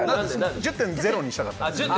１０．０にしたかった。